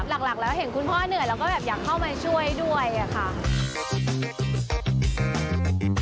หลักแล้วเห็นคุณพ่อเหนื่อยแล้วก็แบบอยากเข้ามาช่วยด้วยอะค่ะ